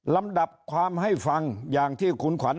ลำดับความให้ฟังอย่างที่คุณขวัญ